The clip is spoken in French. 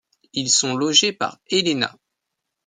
Ils sont logés par Elena.